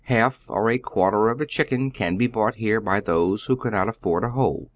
Half or a quarter of a chicken can be bonght here by those who cannot afford a wliole.